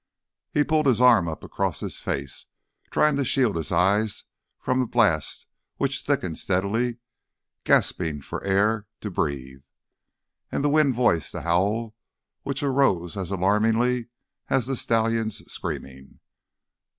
He pulled his arm up across his face, trying to shield his eyes from the blast which thickened steadily, gasping for air to breathe. And the wind voiced a howl which arose as alarmingly as the stallions' screaming.